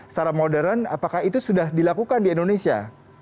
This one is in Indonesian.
secara modern apakah itu sudah dilakukan di indonesia